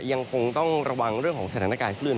ยังคงต้องระวังเรื่องของสถานการณ์คลื่น